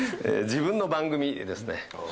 自分の番組ですね。